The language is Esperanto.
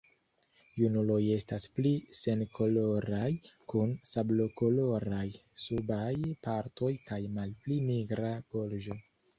Junuloj estas pli senkoloraj, kun sablokoloraj subaj partoj kaj malpli nigra gorĝo.